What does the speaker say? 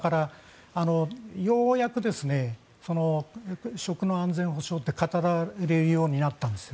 ようやく食の安全保障と語られるようになったんです。